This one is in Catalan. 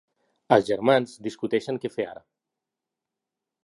Els germans discuteixen què fer ara.